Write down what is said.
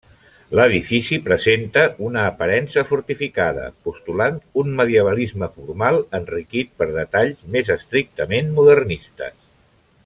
L'edifici presenta una aparença fortificada, postulant un medievalisme formal enriquit per detalls més estrictament modernistes.